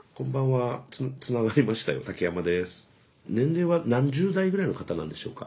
年齢は何十代ぐらいの方なんでしょうか？